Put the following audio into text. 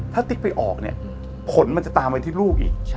ถ้าติ๊กไปออกเนี่ยผลมันจะตามไปที่ลูกอีก